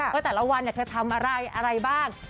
ก็แต่ละวันเธอทำอะไรบ้าง